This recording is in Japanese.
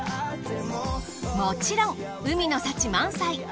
もちろん海の幸満載！